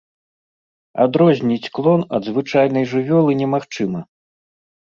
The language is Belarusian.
Адрозніць клон ад звычайнай жывёлы немагчыма.